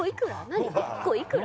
何１個いくら？